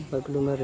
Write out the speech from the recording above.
park lumar ya